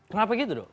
kenapa gitu dok